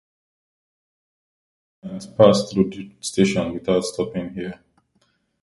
Metropolitan line trains pass through the station without stopping here.